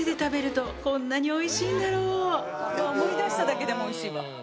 思い出しただけでもおいしいわ。